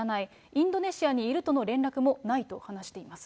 インドネシアにいるとの連絡もないと話しています。